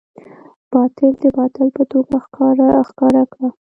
باطل د باطل په توګه راښکاره کړه.